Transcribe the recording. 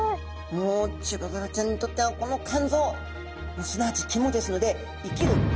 もうチゴダラちゃんにとってはこの肝臓すなわち肝ですので生きる肝！ですね。